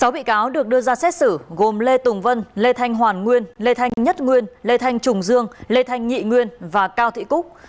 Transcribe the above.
sáu bị cáo được đưa ra xét xử gồm lê tùng vân lê thanh hoàn nguyên lê thanh nhất nguyên lê thanh trùng dương lê thanh nhị nguyên và cao thị cúc